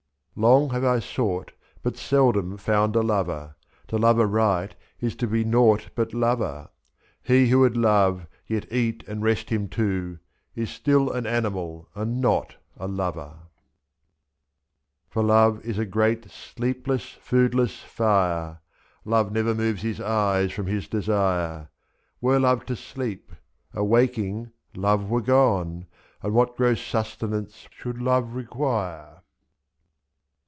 Long have T sought, but seldom found a lover; To love aright is to be nought but lover, lo'h. He who would love, yet eat and rest him too. Is still an animal, and not a lover. For love is a great sleepless, foodless fire. Love never moves his eyes from his desire; 2 06*. Were love to sleep, — awaking, love were gone; And what gross sustenance should love require